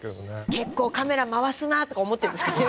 結構カメラ回すなとか思ってるんですかね。